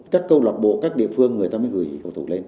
các câu lạc bộ các địa phương người ta mới gửi cầu lên